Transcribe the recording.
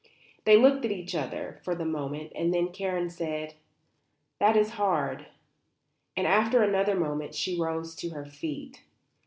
They looked at each other for a moment and then Karen said, "That is hard." And after another moment she rose to her feet.